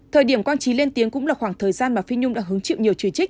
thời điểm quang trí lên tiếng cũng là khoảng thời gian mà phi nhung đã hứng chịu nhiều chỉ trích